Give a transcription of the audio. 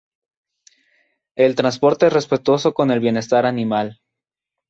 El transporte es respetuoso con el bienestar animal.